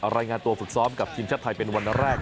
รายงานตัวฝึกซ้อมกับทีมชาติไทยเป็นวันแรก